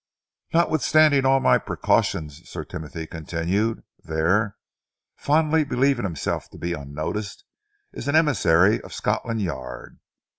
"Notwithstanding all my precautions," Sir Timothy continued, "there, fondly believing himself to be unnoticed, is an emissary of Scotland Yard.